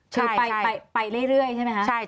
คือไปเรื่อยใช่ไหมคะ